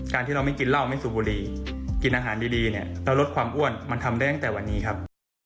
การที่เราไม่กินล่าวไม่สูบบุหรี่กินอาหารดีและลดความอ้วนมันทำได้ตั้งแต่วันนี้ครับ